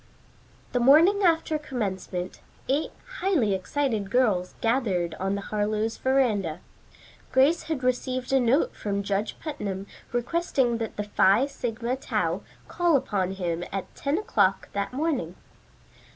The morning after commencement, eight highly excited girls gathered on the Harlowe's veranda. Grace had received a note from Judge Putnam requesting that the Phi Sigma Tau call upon him at ten o'clock that morning.